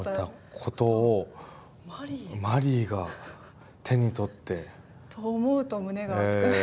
ことをマリーが手に取って。と思うと胸が熱くなります。